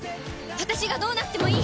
私がどうなってもいい！